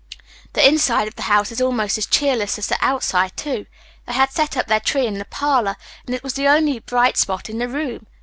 The inside of the house is almost as cheerless as the outside, too. They had set up their tree in the parlor, and it was the only bright spot in the room.